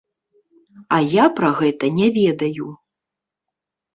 А я пра гэта не ведаю.